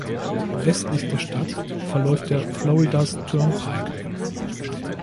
Westlich der Stadt verläuft der Florida’s Turnpike.